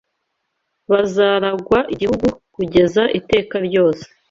Bazaragwa igihugu kugeza iteka ryose